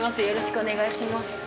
よろしくお願いします。